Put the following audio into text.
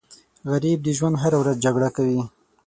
غریب د ژوند هره ورځ جګړه کوي